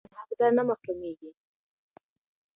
که رشوت نه وي نو حقدار نه محرومیږي.